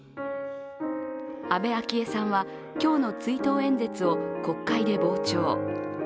安倍昭恵さんは今日の追悼演説を国会で傍聴。